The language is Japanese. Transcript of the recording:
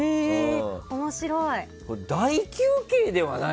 面白い。